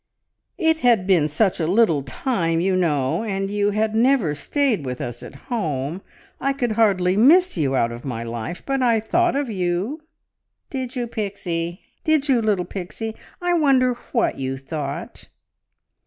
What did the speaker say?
"It had been such a little time, you know; and you had never stayed with us at home. I could hardly miss you out of my life, but I ... thought of you!" "Did you, Pixie? Did you, little Pixie? ... I wonder what you thought!"